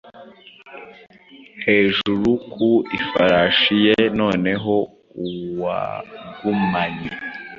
Hejuru ku ifarashi ye noneho uwagumanye